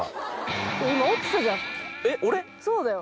そうだよ。